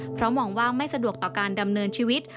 เพราะมองว่าไม่สะดวกต่อการดำเนินชีวิต